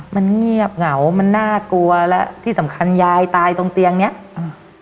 มันเงียบเหงามันน่ากลัวและที่สำคัญยายตายตรงเตียงเนี้ยอืม